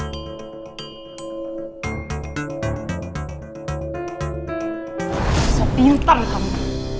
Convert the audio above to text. aku tidak tahu menangkap kamu